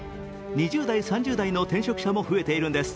２０代、３０代の転職者も増えているんです。